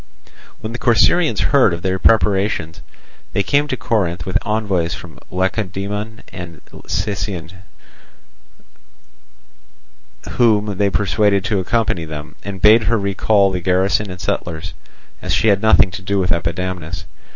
When the Corcyraeans heard of their preparations they came to Corinth with envoys from Lacedaemon and Sicyon, whom they persuaded to accompany them, and bade her recall the garrison and settlers, as she had nothing to do with Epidamnus.